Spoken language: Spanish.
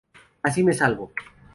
Así me salvo.